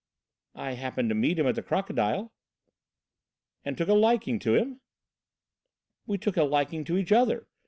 "I happened to meet him at the 'Crocodile.'" "And took a liking to him?" "We took a liking to each other."